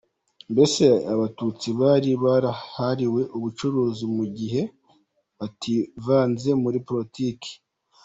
Mbese abatutsi bari barahariwe ubucuruzi mu gihe bativanze muri Politiki.